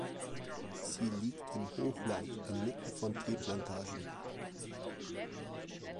Sie liegt im Hochland inmitten von Teeplantagen.